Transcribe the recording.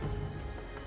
dia juga menangis